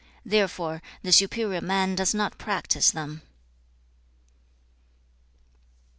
Therefore, the superior man does not practise them.'